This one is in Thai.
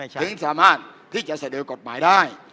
ถึงสามารถที่จะเสนอกฎหมายได้